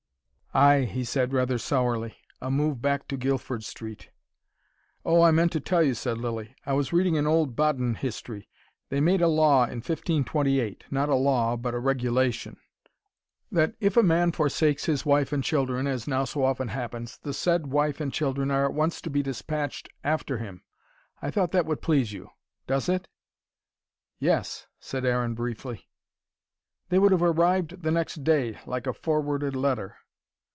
"Ay," he said rather sourly. "A move back to Guilford Street." "Oh, I meant to tell you," said Lilly. "I was reading an old Baden history. They made a law in 1528 not a law, but a regulation that: if a man forsakes his wife and children, as now so often happens, the said wife and children are at once to be dispatched after him. I thought that would please you. Does it?" "Yes," said Aaron briefly. "They would have arrived the next day, like a forwarded letter."